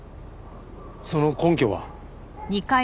その根拠は？